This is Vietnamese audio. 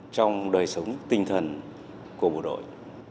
trong đời sống tinh thần của bộ đội